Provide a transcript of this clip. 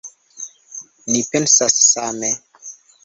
Ni pensas same.